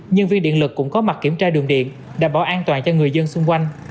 nhân viên điện lực cũng có mặt kiểm tra đường điện đảm bảo an toàn cho người dân xung quanh